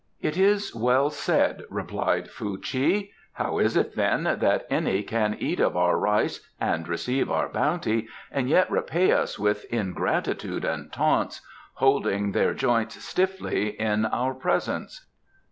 "It is well said," replied Fuh chi. "How is it, then, that any can eat of our rice and receive our bounty and yet repay us with ingratitude and taunts, holding their joints stiffly in our presence?